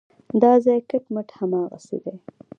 دا ځای کټ مټ هماغسې دی.